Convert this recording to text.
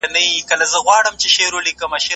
مالیاتي نظام منځ ته راغی.